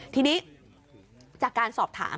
ทีนี้จากการสอบถาม